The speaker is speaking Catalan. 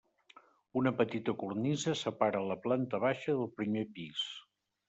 Una petita cornisa separa la planta baixa del primer pis.